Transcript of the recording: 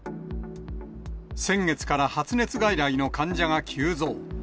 先月から発熱外来の患者が急増。